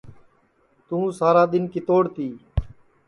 توں سارا دؔن کِتوڑ تی